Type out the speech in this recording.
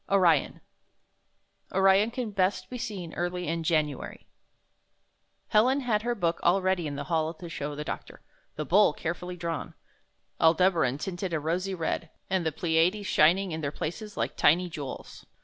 ORION Orion can best be seen early in January Helen had her book all ready in the hall to show the doctor, the Bull carefully drawn, Aldebaran tinted a rosy red, and the Pleiades shining in their places like tiny jewels.